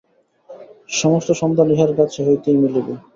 সমস্ত সন্ধান ইহার কাছ হইতেই মিলিবে।